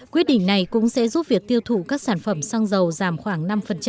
quyết định này cũng sẽ giúp việc tiêu thụ các sản phẩm xăng dầu giảm khoảng năm